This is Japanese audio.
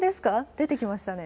出てきましたね。